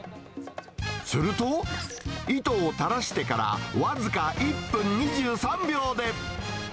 すると、糸をたらしてから僅か１分２３秒で。